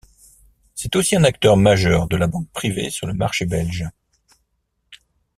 C'est aussi un acteur majeur de la banque privée sur le marché belge.